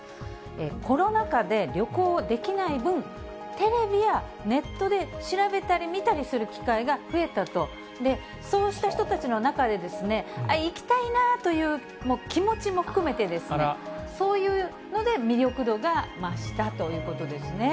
コロナ禍で旅行できない分、テレビやネットで調べたり見たりする機会が増えたと、そうした人たちの中で、あっ、行きたいなという気持ちも含めてですね、そういうので魅力度が増したということですね。